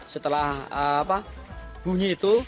setelah bunyi itu